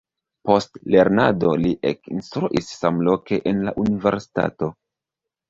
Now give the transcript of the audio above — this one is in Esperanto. Post lernado li ekinstruis samloke en la universitato.